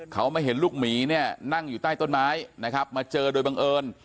เขามาเห็นลูกหมีเนี่ยนั่งอยู่ใต้ต้นไม้นะครับมาเจอโดยบังเอิญ